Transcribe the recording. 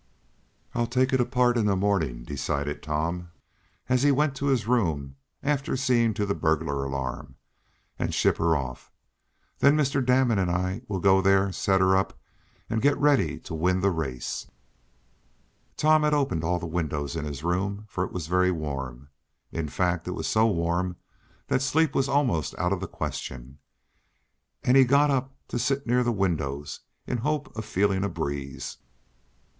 "I'll take it apart in the morning," decided Tom, as he went to his room, after seeing to the burglar alarm, "and ship her off. Then Mr. Damon and I will go there, set her up, and get ready to win the race." Tom had opened all the windows in his room, for it was very warm. In fact it was so warm that sleep was almost out of the question, and he got up to sit near the windows in the hope of feeling a breeze.